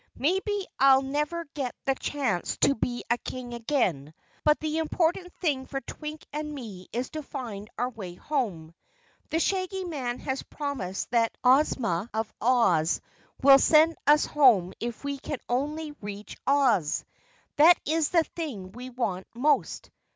Maybe I'll never get the chance to be a king again. But the important thing for Twink and me is to find our way home. The Shaggy Man has promised that Ozma of Oz will send us home if we can only reach Oz. That is the thing we want most.